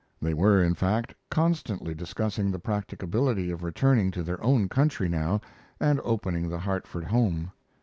They were, in fact, constantly discussing the practicability of returning to their own country now and opening the Hartford home.